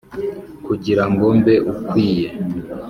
kugira ngo mbe ukwiye